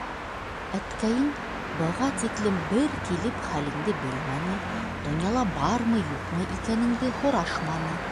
Әткәйең быға тиклем бер килеп хәлеңде белмәне, донъяла бармы-юҡмы икәнеңде һорашманы.